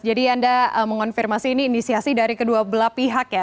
jadi anda mengonfirmasi ini inisiasi dari kedua belah pihak ya